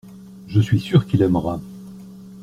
Je suis sûr qu’il aimera.